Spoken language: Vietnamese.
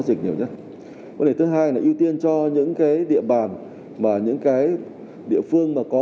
dịch nhiều nhất vấn đề thứ hai là ưu tiên cho những cái địa bàn mà những cái địa phương mà có